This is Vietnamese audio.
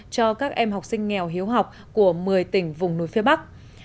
cho các em học sinh nghèo hiếu học của một mươi tỉnh vùng núi phía bắc